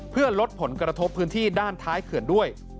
เพื่อลดผลกระทบพื้นที่ด้านท้ายเขื่อนด้วย